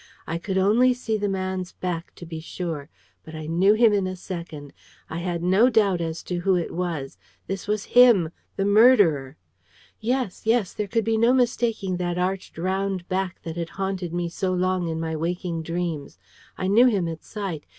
I could only see the man's back, to be sure, but I knew him in a second. I had no doubt as to who it was. This was HIM the murderer! Yes, yes! There could be no mistaking that arched round back that had haunted me so long in my waking dreams. I knew him at sight.